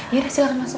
ya sudah silahkan masuk